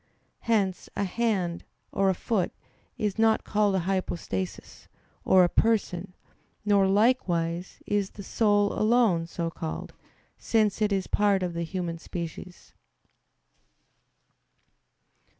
Hence a hand, or a foot, is not called a hypostasis, or a person; nor, likewise, is the soul alone so called, since it is a part of the human species.